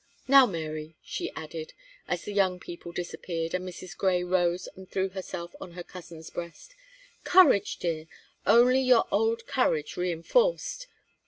Now, Mary," she added, as the young people disappeared, and Mrs. Grey rose and threw herself on her cousin's breast, "courage, dear! Only your old courage re enforced.